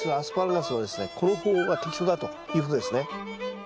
この方法が適当だということですね。